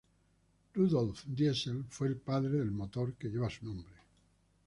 Rudolf Diesel fue el padre del motor que lleva su nombre.